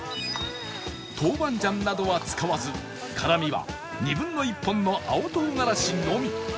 豆板醤などは使わず辛みは２分の１本の青唐辛子のみ